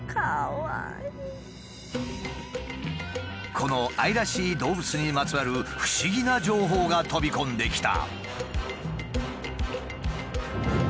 この愛らしい動物にまつわる不思議な情報が飛び込んできた。